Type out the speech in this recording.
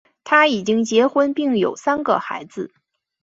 他已经结婚并有三个孩子。